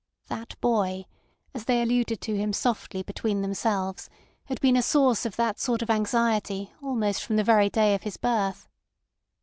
"That boy," as they alluded to him softly between themselves, had been a source of that sort of anxiety almost from the very day of his birth.